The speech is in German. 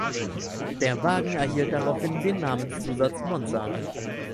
Der Wagen erhielt daraufhin den Namenszusatz "Monza".